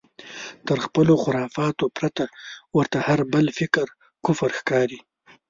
تر خپلو خرافاتو پرته ورته هر بل فکر کفر ښکاري.